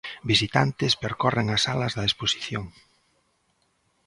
Visitantes percorren as salas da exposición.